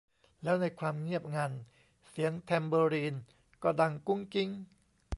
แล้ว ในความเงียบงัน เสียงแทมเบอรีนก็ดังกุ๊งกิ๊ง